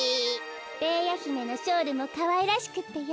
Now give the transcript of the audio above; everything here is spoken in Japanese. ベーヤひめのショールもかわいらしくってよ。